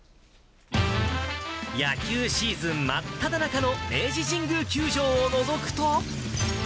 野球シーズン真っただ中の明治神宮球場をのぞくと。